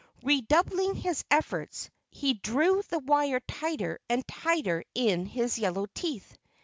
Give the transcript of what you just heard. Redoubling his efforts, he drew the wire tighter and tighter in his yellow teeth.